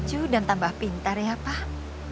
maju dan tambah pintar ya pak